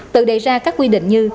tự đề ra các quy định như